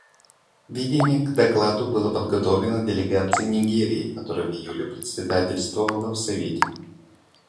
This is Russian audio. Введение к докладу было подготовлено делегацией Нигерии, которая в июле председательствовала в Совете.